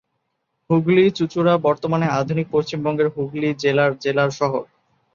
হুগলী-চুঁচুড়া বর্তমানে আধুনিক পশ্চিমবঙ্গের হুগলি জেলার জেলা শহর।